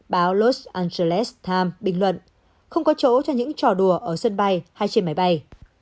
báo los angeles times bình luận không có chỗ cho những trò đùa ở sân bay hay trên máy bay